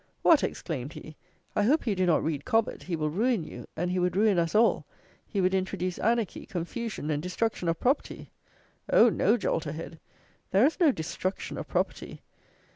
"What!" exclaimed he, "I hope you do not read Cobbett! He will ruin you, and he would ruin us all. He would introduce anarchy, confusion, and destruction of property!" Oh, no, Jolterhead! There is no destruction of property.